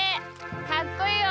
かっこいいよ！